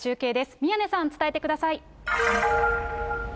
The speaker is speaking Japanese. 宮根さん、伝えてください。